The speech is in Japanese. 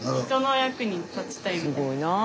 すごいなあ。